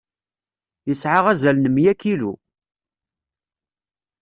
Yesɛa azal n mya kilu.